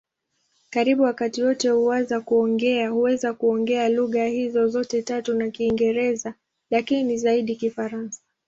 Karibu wakazi wote huweza kuongea lugha hizo zote tatu na Kiingereza, lakini zaidi Kifaransa.